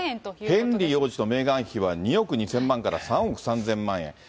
ヘンリー王子とメーガン妃は２億２０００万から３億３０００万円。